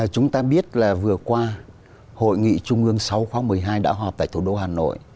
chúng ta biết là vừa qua hội nghị trung ương sáu khóa một mươi hai đã họp tại thủ đô hà nội